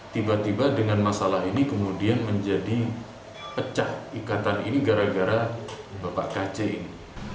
tiba tiba dengan masalah ini kemudian menjadi pecah ikatan ini gara gara bapak kc ini